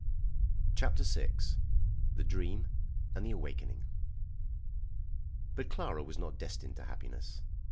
CHAPTER VI. THE DREAM AND THE AWAKENING. But Clara was not destined to happiness.